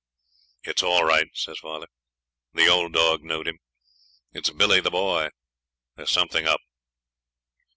'It's all right,' says father. 'The old dog knowed him; it's Billy the Boy. There's something up.'